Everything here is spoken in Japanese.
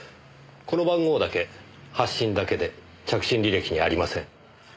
この番号だけ発信だけで着信履歴にありません。